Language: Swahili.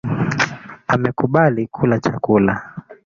Amekubali kula chakula